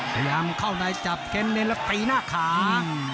พยายามเข้าในจับเข้นเน้นแล้วตีหน้าขา